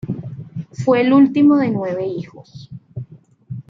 Fue el último de nueve hijos.